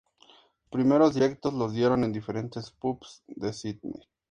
Sus primeros directos los dieron en diferentes pubs de Sídney.